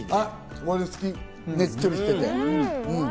俺好き、ねっちょりしてて。